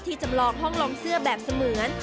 จำลองห้องลงเสื้อแบบเสมือน